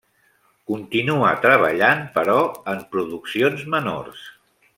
Continua treballant però en produccions menors.